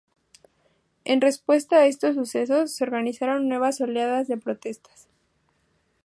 En respuesta a estos sucesos se organizaron nuevas oleadas de protestas.